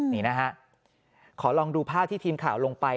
นี่นะฮะขอลองดูภาพที่ทีมข่าวลงไป